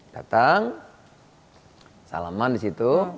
datang salaman di situ